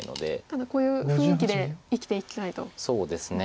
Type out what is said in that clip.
ただこういう雰囲気で生きていきたいということですね。